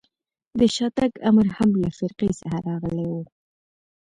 د شاتګ امر هم له فرقې څخه راغلی و.